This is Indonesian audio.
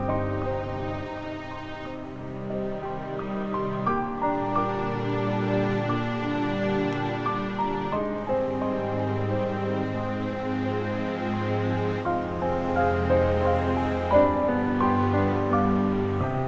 ini memang ada semisal mengatakan rawatan yang sangat diselamatkan